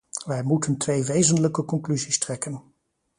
Wij moeten twee wezenlijke conclusies trekken.